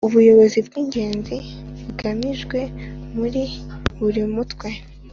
ubushobozi bw’ingenzi bugamijwe muri buri mutwe